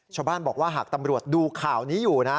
ชาวบ้านบอกว่าหากตำรวจดูข่าวนี้อยู่นะ